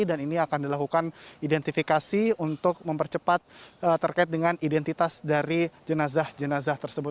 dan ini akan dilakukan identifikasi untuk mempercepat terkait dengan identitas dari jenazah jenazah tersebut